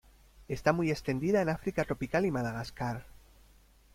Está muy extendida en África tropical y Madagascar.